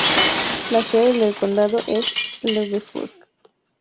La sede del condado es Lewisburg.